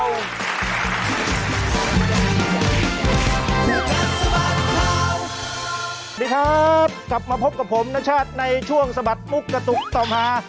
สวัสดีครับกลับมาพบกับผมนชาติในช่วงสะบัดมุกกระตุกต่อมา